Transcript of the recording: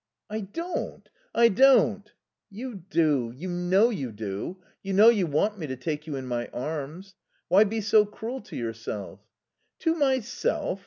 "I don't. I don't." "You do. You know you do. You know you want me to take you in my arms. Why be so cruel to yourself?" "To myself?